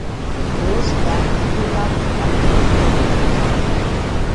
Rose bank கில் அப் பள்ளியிருந்தது.